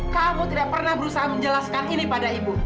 kamu tidak pernah berusaha menjelaskan ini pada ibu